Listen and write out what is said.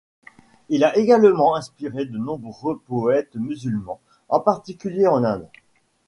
Il a également inspiré de nombreux poètes musulmans, en particulier en Inde.